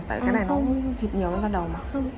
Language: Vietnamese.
cái này nó xịt nhiều ra đầu mà